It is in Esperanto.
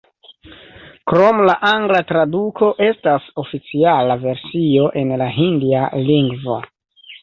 Krom la angla traduko estas oficiala versio en la hindia lingvo.